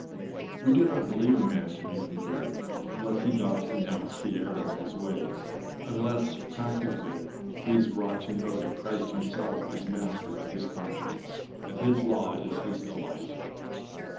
We do not believe a man to be converted unless he doth renounce the error of his ways; unless, practically, he is brought to know that Christ himself is master of his conscience, and his law is his delight.